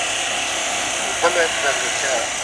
انګلیسانو پر غازیانو توپونه وویشتل.